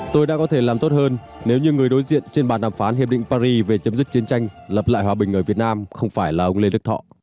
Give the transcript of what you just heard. tôi đã có thể làm tốt hơn nếu như người đối diện trên bàn đàm phán hiệp định paris về chấm dứt chiến tranh lập lại hòa bình ở việt nam không phải là ông lê đức thọ